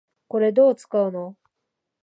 これ、どう使うの？